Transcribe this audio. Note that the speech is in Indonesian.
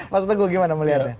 mas teguh gimana melihatnya